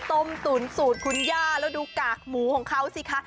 ต้มสุดขุนย่าแล้วดูกากหมูของเขาสิคะ